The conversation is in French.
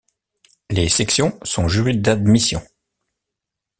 Les sections sont jury d'admission.